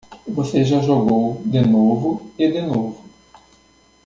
Você já jogou de novo e de novo.